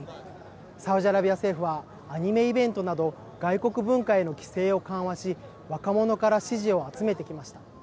サウジアラビア政府はアニメイベントなど外国文化への規制を緩和し若者から支持を集めてきました。